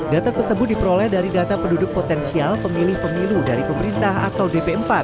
data tersebut diperoleh dari data penduduk potensial pemilih pemilu dari pemerintah atau dp empat